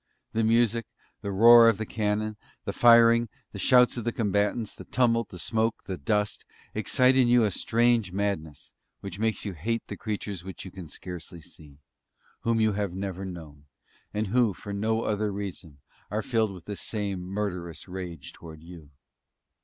The music, the roar of the cannon, the firing, the shouts of the combatants; the tumult, the smoke, the dust excite in you a strange madness, which makes you hate the creatures which you can scarcely see whom you have never known, and who, for no other reason, are filled with the same murderous rage towards you!